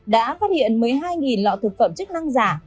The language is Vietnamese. đã phát hiện một mươi hai lọ thực phẩm chức năng giả